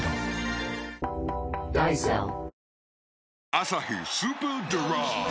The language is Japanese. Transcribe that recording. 「アサヒスーパードライ」